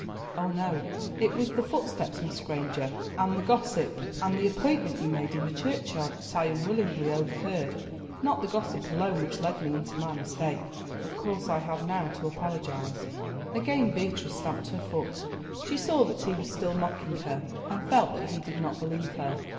"Oh, no; it was the footsteps, Miss Granger, and the gossip, and the appointment you made in the churchyard, that I unwillingly overheard, not the gossip alone which led me into my mistake. Of course I have now to apologise." Again Beatrice stamped her foot. She saw that he was still mocking her, and felt that he did not believe her.